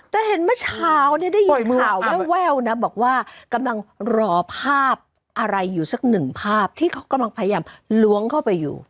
แต่เห็นเมื่อเช้าเนี่ยได้ยินข่าวแววนะบอกว่ากำลังรอภาพอะไรอยู่สักหนึ่งภาพที่เขากำลังพยายามล้วงเข้าไปอยู่